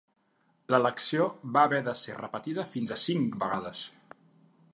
L'elecció va haver de ser repetida fins a cinc vegades.